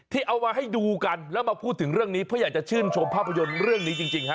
เอามาให้ดูกันแล้วมาพูดถึงเรื่องนี้เพื่ออยากจะชื่นชมภาพยนตร์เรื่องนี้จริงฮะ